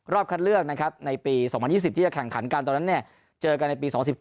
คัดเลือกนะครับในปี๒๐๒๐ที่จะแข่งขันกันตอนนั้นเจอกันในปี๒๐๑๗